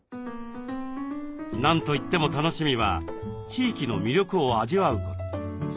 何といっても楽しみは地域の魅力を味わうこと。